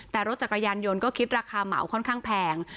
แต่รถจักรยานยนต์ก็คิดราคาเหมาค่อนข้างแพง